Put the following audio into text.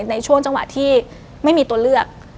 ในช่วงจังหวะที่ไม่มีตัวเลือก